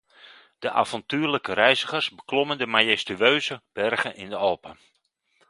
De avontuurlijke reizigers beklommen de majestueuze bergen in de Alpen.